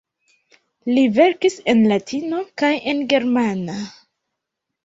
Li verkis en latino kaj en germana.